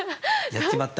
やっちまった。